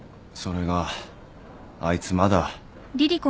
それがあいつまだ。